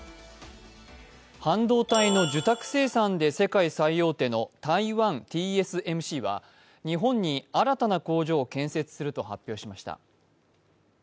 半導体の受託生産で世界最大手の台湾ＴＳＭＣは日本に新たな工場を建設すると発表しました。